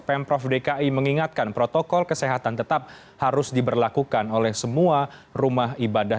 pemprov dki mengingatkan protokol kesehatan tetap harus diberlakukan oleh semua rumah ibadah